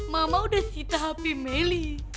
mama udah sita hp meli